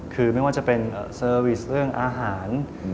คือไม่ว่าจะเป็นเซอร์วิสเรื่องอาหาร